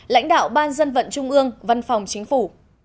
lãnh đạo ban dân vận trung ương văn phòng chính phủ